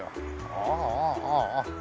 ああああああ。